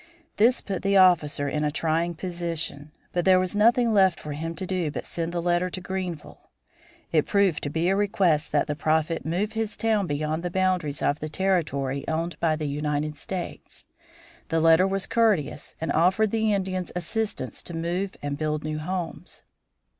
This put the officer in a trying position, but there was nothing left for him to do but send the letter to Greenville. It proved to be a request that the Prophet move his town beyond the boundaries of the territory owned by the United States. The letter was courteous, and offered the Indians assistance to move and build new homes.